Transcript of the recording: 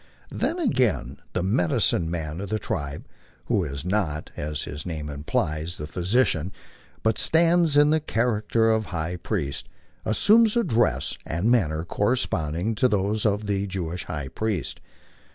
Then again the "medicine man" of the tribe, who is not, as his name implies, the physician, but stands in the character of high priest, assumes a dress and manner corresponding to those of the Jewish high priest.